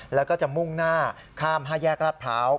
แล้วก็จะมุ่งหน้าข้าม๕แยกรัฐพร้าว